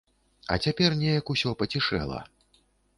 А цяпер неяк усё пацішэла.